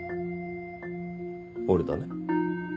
俺だね。